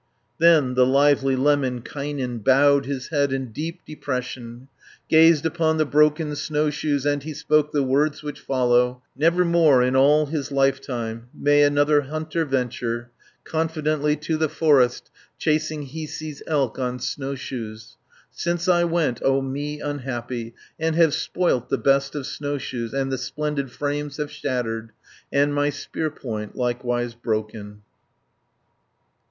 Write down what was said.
Then the lively Lemminkainen, Bowed his head in deep depression, 260 Gazed upon the broken snowshoes, And he spoke the words which follow: "Nevermore in all his lifetime May another hunter venture Confidently to the forest, Chasing Hiisi's elk on snowshoes! Since I went, O me unhappy, And have spoilt the best of snowshoes, And the splendid frames have shattered, And my spearpoint likewise broken."